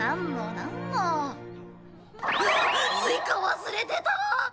あっスイカ忘れてた！